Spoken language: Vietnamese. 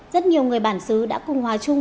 rất nhiều người bản xứ đã cùng hòa chung